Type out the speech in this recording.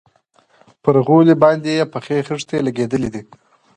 پر غولي باندې يې پخې خښتې لگېدلي دي.